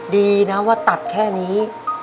ดีนะว่าตัดแค่นี้